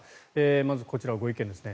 まずこちら、ご意見ですね。